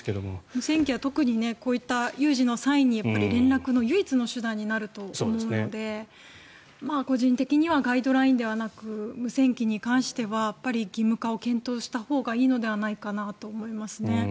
無線機は特にこういう有事の際に連絡の唯一の手段になると思うので個人的にはガイドラインではなく無線機に関しては義務化を検討したほうがいいのではないかなと思いますね。